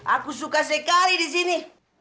aku suka sekali di sini